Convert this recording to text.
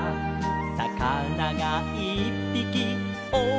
「さかながいっぴきおよいでて」